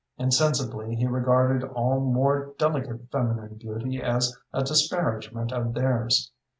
Insensibly he regarded all more delicate feminine beauty as a disparagement of theirs.